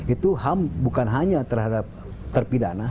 itu ham bukan hanya terhadap terpidana